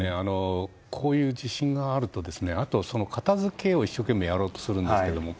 こういう地震があるとその片づけを一生懸命やろうとするんですけれども。